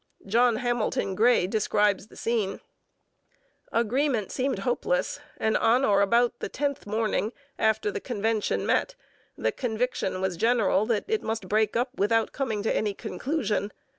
John Hamilton Gray describes the scene: Agreement seemed hopeless, and on or about the tenth morning, after the convention met, the conviction was general that it must break up without coming to any conclusion.